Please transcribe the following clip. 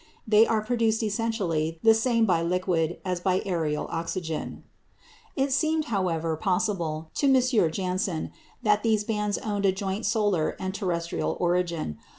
They are produced essentially the same by liquid, as by aërial oxygen. It seemed, however, possible to M. Janssen that these bands owned a joint solar and terrestrial origin.